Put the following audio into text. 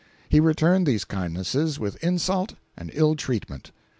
He returned these kindnesses with insult and ill treatment.